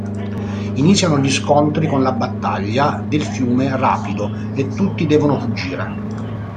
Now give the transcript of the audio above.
Iniziano gli scontri con la battaglia del fiume Rapido, e tutti devono fuggire.